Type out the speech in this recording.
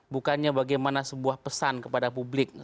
bukannya bagaimana sebuah pesan kepada publik